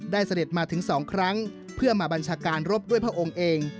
เสด็จมาถึง๒ครั้งเพื่อมาบัญชาการรบด้วยพระองค์เอง